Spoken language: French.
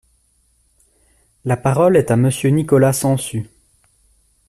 La parole est à Monsieur Nicolas Sansu.